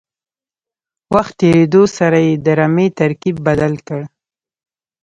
وخت تېرېدو سره یې د رمې ترکیب بدل کړ.